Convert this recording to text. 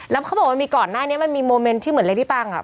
แล้วเขาบอกว่ามีก่อนหน้านี้มันมีโมเมนต์ที่เหมือนเรดี้ปังอ่ะ